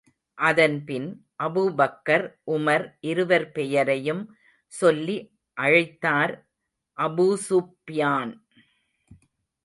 அதன்பின், Abu Bakr, Umar இருவர் பெயரையும் சொல்லி அழைத்தார் அபூஸூப்யான்.